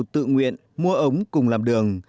tự nguyện mua ống cùng làm đường